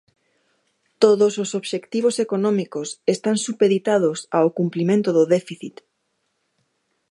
Todos os obxectivos económicos están supeditados ao cumprimento do déficit.